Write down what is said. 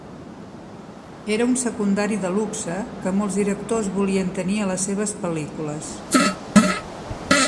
Era un secundari de luxe que molts directors volien tenir a les seves pel·lícules.